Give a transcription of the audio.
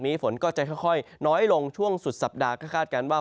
ฝนก็จะค่อยน้อยลงช่วงสุดสัปดาห์ก็คาดการณ์ว่า